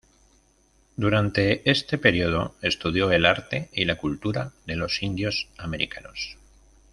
Durante este período estudió el arte y la cultura de los indios americanos.